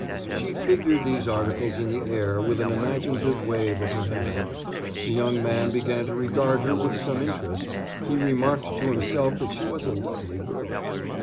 She figured these articles in the air with an imaginative wave of her hand. The young man began to regard her with some interest; he remarked to himself that she was a lovely girl.